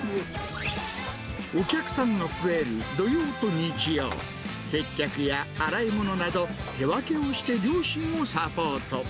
お客さんの増える土曜と日曜、接客や洗い物など、手分けをして両親をサポート。